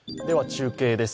中継です。